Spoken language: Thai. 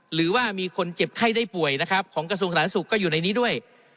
หรือว่ามีคนเจ็บไข้ได้ป่วยนะครับของกระทรวงสาธารณสุขก็อยู่ในนี้ด้วย